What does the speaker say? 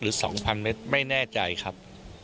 ๒๐๐เมตรไม่แน่ใจครับ